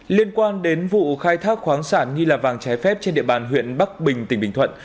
liên quan đến vụ khai thác khoáng sản nghi lạc vàng trái phép trên địa bàn huyện bắc bình tỉnh bình thuận